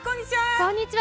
こんにちは。